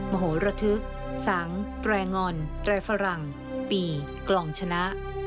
โหระทึกสังแตรงอนแตรฝรั่งปีกลองชนะ